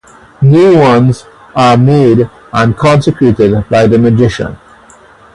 New ones are made and consecrated by the magician.